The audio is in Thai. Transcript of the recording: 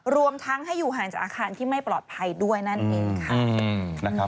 รวมทั้งให้อยู่ห่างจากอาคารที่ไม่ปลอดภัยด้วยนั่นเองค่ะ